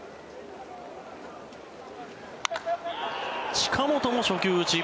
近本も初球打ち。